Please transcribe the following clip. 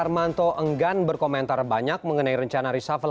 sedikit pak tentang resafel